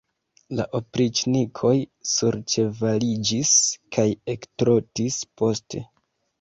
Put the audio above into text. La opriĉnikoj surĉevaliĝis kaj ektrotis poste.